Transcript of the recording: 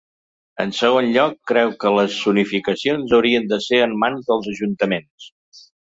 En segon lloc, creu que les zonificacions haurien de ser en mans dels ajuntaments.